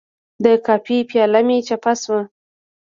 د کافي پیاله مې چپه شوه.